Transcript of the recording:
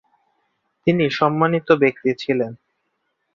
তিনি সম্মানিত ব্যক্তি ছিলেন।